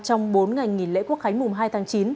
trong bốn ngày nghỉ lễ quốc khánh mùng hai tháng chín